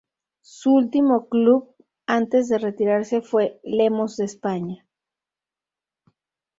Su último club antes de retirarse fue Lemos de España.